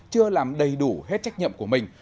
chưa làm đầy đủ hết trách nhiệm của mình